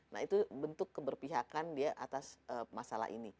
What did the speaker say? nah itu bentuk keberpihakan dia atas masalah ini